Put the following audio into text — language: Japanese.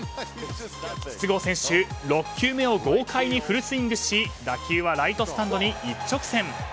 筒香選手６球目を豪快にフルスイングし打球はライトスタンドに一直線。